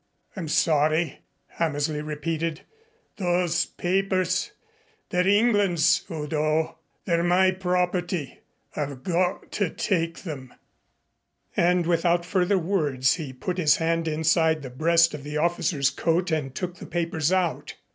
"I'm sorry," Hammersley repeated. "Those papers they're England's, Udo. They're my property. I've got to take them." And without further words he put his hand inside the breast of the officer's coat and took the papers out.